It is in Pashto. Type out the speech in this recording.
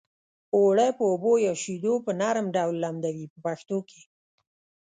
اوړه په اوبو یا شیدو په نرم ډول لمدوي په پښتو کې.